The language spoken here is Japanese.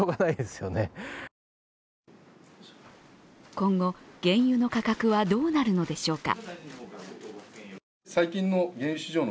今後、原油の価格はどうなるのでしょうか。